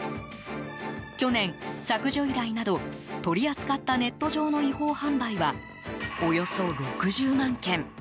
去年、削除依頼など取り扱ったネット上の違法販売はおよそ６０万件。